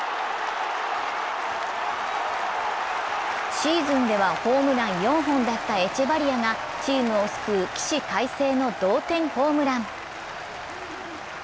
シーズンではホームラン４本だったエチェバリアがチームを救う起死回生の同点ホームラン。